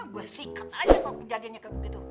gua sikat aja kalo kejadiannya ke begitu